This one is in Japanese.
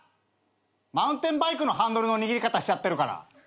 マウンテンバイクのハンドルの握り方しちゃってるから。